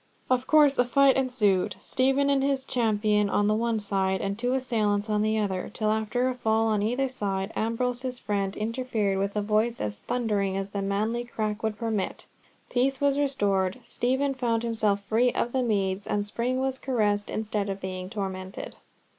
Of course a fight ensued, Stephen and his champion on the one side, and two assailants on the other, till after a fall on either side, Ambrose's friend interfered with a voice as thundering as the manly crack would permit, peace was restored, Stephen found himself free of the meads, and Spring was caressed instead of being tormented.